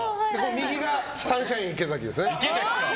右がサンシャイン池崎です。